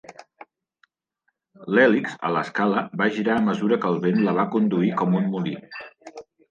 L'hèlix a l'escala va girar a mesura que el vent la va conduir com un molí.